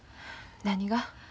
何が？